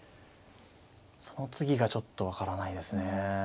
その次がちょっと分からないですね。